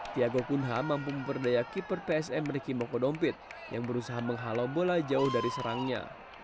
tiago kunha mampu memperdaya keeper psm ricky moko dompit yang berusaha menghalau bola jauh dari serangnya